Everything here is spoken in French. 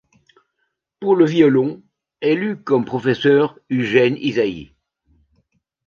Pour le violon, elle eut comme professeur Eugène Ysaÿe.